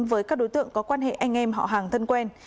với các đối tượng có quan hệ anh em họ hàng thân quen